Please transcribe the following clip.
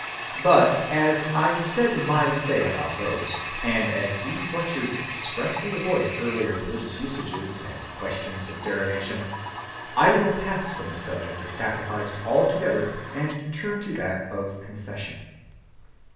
(304) But, as I said my say about those, and as these lectures expressly avoid earlier religious usages and questions of derivation, I will pass from the subject of Sacrifice altogether and turn to that of Confession.